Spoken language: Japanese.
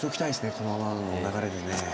このままの流れでね。